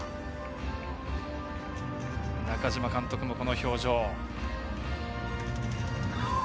中嶋監督もこの表情。